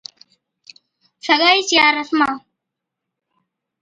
سگائي چِيا رسما